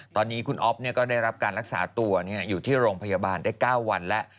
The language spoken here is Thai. ตอนนี้คุณอ๊อฟก็ได้รับการรักษาตัวอยู่ที่โรงพยาบาลได้๙วันแล้ว